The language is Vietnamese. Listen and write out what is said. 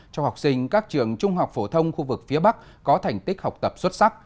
cho học sinh các trường trung học phổ thông khu vực phía bắc có thành tích học tập xuất sắc